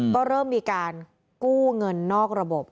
ก็เริ่มมีการกู้เงินนอกระบบ